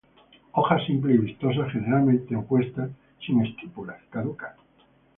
Hojas simples y vistosas, generalmente opuestas, sin estípulas, caducas.